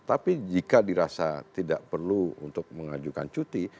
tapi jika dirasa tidak perlu untuk mengajukan cuti